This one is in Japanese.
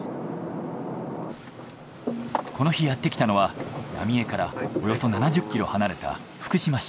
この日やってきたのは浪江からおよそ７０ｋｍ離れた福島市。